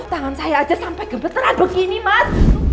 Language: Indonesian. tangan saya aja sampai gemparan begini mas